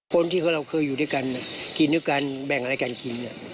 คนที่เราเคยอยู่ด้วยกันกินด้วยกันแบ่งอะไรกันกิน